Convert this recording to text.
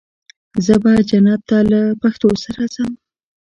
زه به جنت ته له پښتو سره ځم.